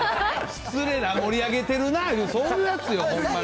失礼な、盛り上げてるなって、そんなんですよ、ほんまに。